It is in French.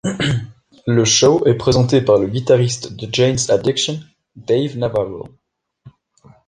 Le show est présenté par le guitariste de Jane's Addiction, Dave Navarro.